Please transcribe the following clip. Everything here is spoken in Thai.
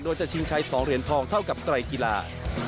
โดยจะชิงชัย๒เหรียญทองเท่ากับไตรกีฬา